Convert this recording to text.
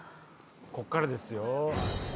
ここからですよ。